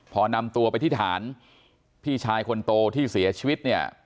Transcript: พอนำตัวไปที่ฐานพี่ชายคนโตที่เสียชีวิตเนี่ย